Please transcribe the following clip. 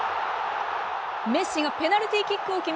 メッシがペナルティーキックを決め